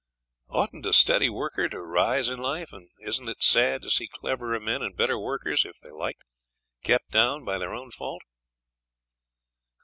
'Oughtn't a steady worker to rise in life, and isn't it sad to see cleverer men and better workers if they liked kept down by their own fault?'